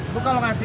tuh kalau ngajakin